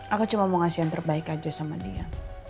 aku cuma mau ngasih yang terbaik aja sama dia